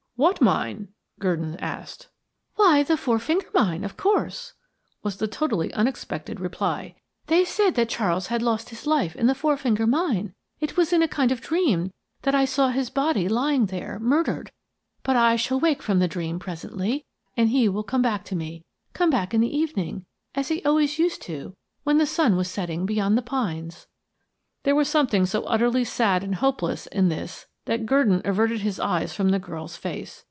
"What mine?" Gurdon asked. "Why, the Four Finger Mine, of course," was the totally unexpected reply. "They said that Charles had lost his life in the Four Finger Mine. It was in a kind of dream that I saw his body lying there, murdered. But I shall wake from the dream presently, and he will come back to me, come back in the evening, as he always used to when the sun was setting beyond the pines." There was something so utterly sad and hopeless in this that Gurdon averted his eyes from the girl's face.